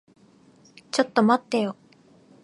ちょっと待ってよ。